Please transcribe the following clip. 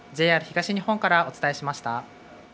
ＪＲ東日本からお伝えしました。